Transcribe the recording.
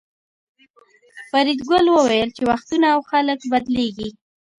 فریدګل وویل چې وختونه او خلک بدلیږي